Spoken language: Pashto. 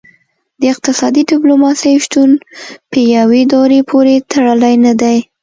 د اقتصادي ډیپلوماسي شتون په یوې دورې پورې تړلی نه دی